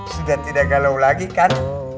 sudah tidak galau lagi kan